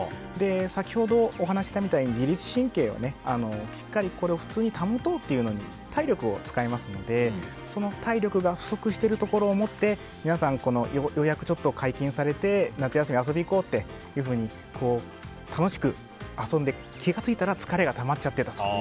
先ほどお話ししたみたいに自律神経はこれを普通に保とうっていうのに体力を使いますのでその体力が不足しているところをもって皆さん、ようやく解禁されて夏休み、遊びに行こうって楽しく遊んで気が付いたら疲れがたまっちゃってたと。